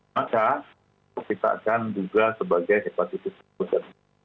maka kita akan juga sebagai hepatitis a